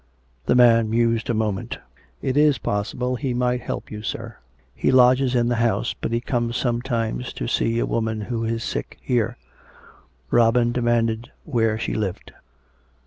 The man mused a moment. " It is possible he might help you, sir. He lodges in the house; but he comes sometimes to see a woman that is sick here." Robin demanded where she lived.